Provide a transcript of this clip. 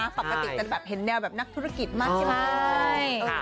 ปรับประติกจะเห็นแนวแบบนักธุรกิจมาก